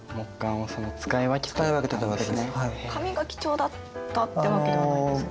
紙が貴重だったってわけではないんですか？